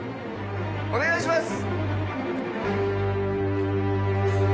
お願いします！